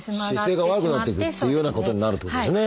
姿勢が悪くなってくるというようなことになるってことですね。